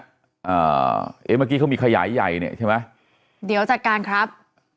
อ่าเอ๊ะเมื่อกี้เขามีขยายใหญ่เนี่ยใช่ไหมเดี๋ยวจัดการครับ